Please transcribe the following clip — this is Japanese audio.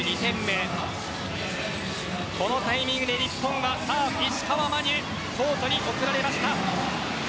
このタイミングで日本、石川真佑がコートに送られました。